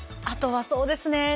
あとはそうですね。